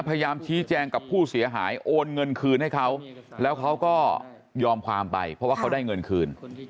พยายามชี้แจงกับผู้เสียหายโอนเงินคืนให้เขาแล้วเขาก็ยอมความไปเพราะว่าเขาได้เงินคืน